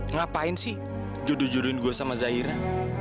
ngapain sih juduh juduhin gua sama zaira